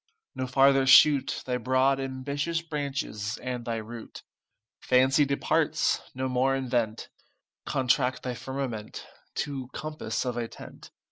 No farther shoot Thy broad ambitious branches, and thy root. Fancy departs; no more invent; Contract thy firmament To compass of a tent.